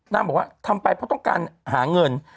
บอกว่าทำไปเพราะต้องการหาเงิน